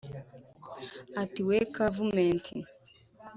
Ati :" We Kavumenti,